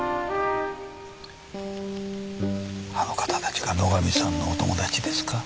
あの方たちが野上さんのお友達ですか？